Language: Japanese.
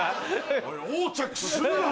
おい横着するな！